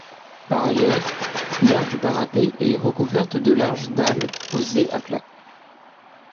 Par ailleurs, l'aire du parapet est recouverte de larges dalles posées à plat.